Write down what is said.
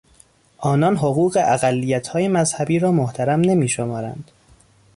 آنان حقوق اقلیتهای مذهبی را محترم نمی شمارند.